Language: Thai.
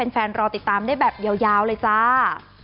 รอติดตามได้แบบยาวเลยจ้า